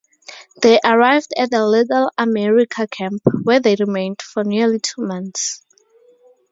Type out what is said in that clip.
They arrived at the Little America camp, where they remained for nearly two months.